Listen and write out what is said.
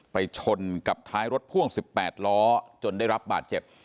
ชนกับท้ายรถพ่วง๑๘ล้อจนได้รับบาดเจ็บ